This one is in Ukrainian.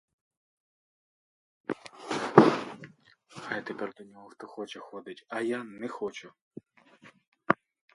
Хай тепер до нього хто хоче ходить, а я не хочу.